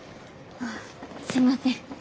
ああすいません。